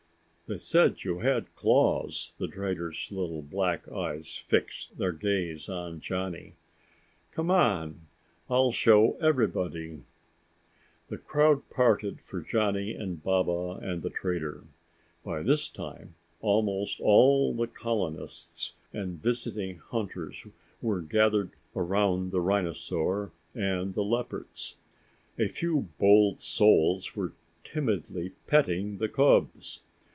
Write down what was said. "They said you had claws." The trader's little black eyes fixed their gaze on Johnny. "Come on, I'll show everybody." The crowd parted for Johnny and Baba and the trader. By this time almost all the colonists and visiting hunters were gathered around the rhinosaur and the leopards. A few bold souls were timidly petting the cubs.